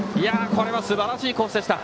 これはすばらしいコースでした。